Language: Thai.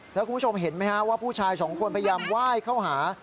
แล้วคุณผู้ชมเห็นไหมฮะว่าผู้ชายสองคนพยายามไหว้เข้าหา